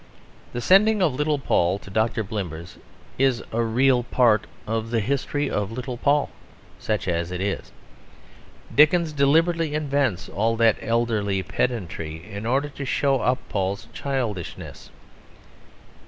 The sending of little Paul to Dr. Blimber's is a real part of the history of little Paul, such as it is. Dickens deliberately invents all that elderly pedantry in order to show up Paul's childishness.